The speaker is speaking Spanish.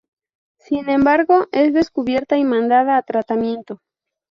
Sin embargo es descubierta y mandada a tratamiento.